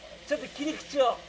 ちょっと切り口を。